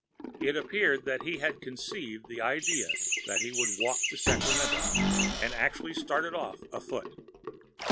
It appeared that he had conceived the idea that he could walk to Sacramento, and actually started off afoot.